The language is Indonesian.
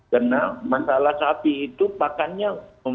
karena masalah sapi itu pakannya